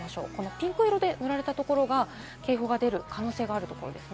ピンク色で塗られたところが警報が出る可能性があるところです。